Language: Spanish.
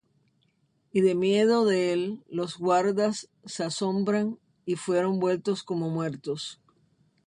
Y de miedo de él los guardas se asombraron, y fueron vueltos como muertos.